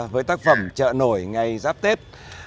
với tác phẩm chợ nổi ngày giáp tết